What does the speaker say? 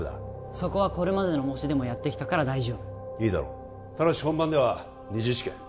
そこはこれまでの模試でもやってきたから大丈夫いいだろうただし本番では二次試験